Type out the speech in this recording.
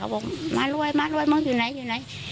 บอกมารวยมารวยมึงอยู่ไหนอยู่ไหน